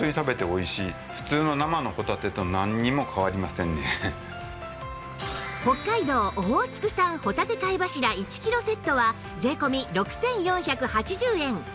なかなか北海道オホーツク産ほたて貝柱１キロセットは税込６４８０円